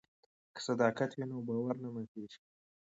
که صداقت وي نو باور نه ماتیږي.